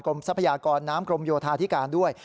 ทรัพยากรน้ำกรมโยธาธิการด้วย